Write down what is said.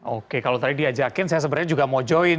oke kalau tadi diajakin saya sebenarnya juga mau join